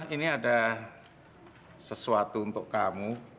ini ada sesuatu untuk kamu